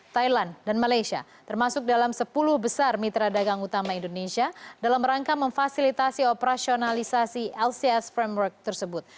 thailand dan malaysia termasuk dalam sepuluh besar mitra dagang utama indonesia dalam rangka memfasilitasi operasionalisasi lcs framework tersebut